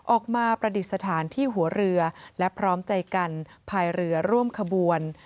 ประดิษฐานที่หัวเรือและพร้อมใจกันภายเรือร่วมขบวน